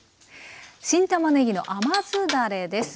新たまねぎの甘酢だれです。